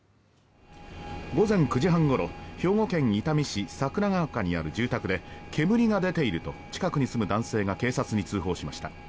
午前９時半ごろ兵庫県伊丹市桜ケ丘にある住宅で煙が出ていると近くに住む男性が警察に通報しました。